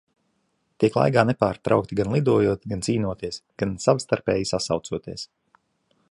Tie klaigā nepārtraukti gan lidojot, gan cīnoties, gan savstarpēji sasaucoties.